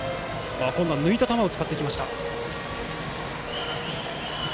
今度は抜いた球を使いました。